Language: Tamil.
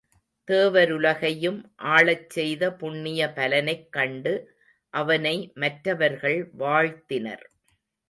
தேவருலகையும் ஆளச் செய்த புண்ணிய பலனைக் கண்டு அவனை மற்றவர்கள் வாழ்த்தினர்.